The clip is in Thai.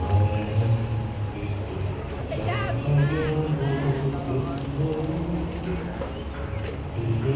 สวัสดีครับสวัสดีครับ